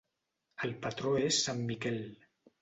El patró és Sant Miquel.